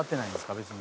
別に」